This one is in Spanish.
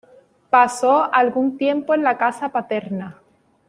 Pasó algún tiempo en la casa paterna.